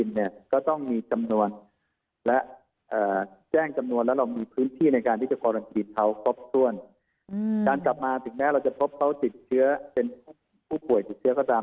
ในที่เราก็ติดการเดินทางกับต่างประเทศครับ